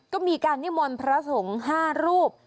ก็มีการนิมนต์พระสงฆ์๕รูป